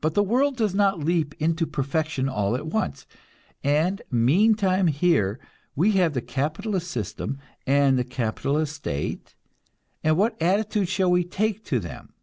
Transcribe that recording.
But the world does not leap into perfection all at once, and meantime here we have the capitalist system and the capitalist state, and what attitude shall we take to them?